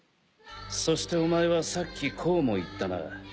そしてお前はさっきこうも言ったな。